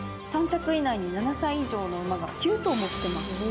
３着以内に７歳以上の馬が９頭も来てます。